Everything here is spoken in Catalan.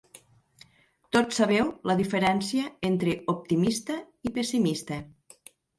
Tots sabeu la diferència entre optimista i pessimista.